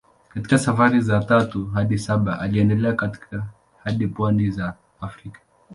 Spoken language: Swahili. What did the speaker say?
Katika safari za tatu hadi saba aliendelea hadi pwani za Afrika.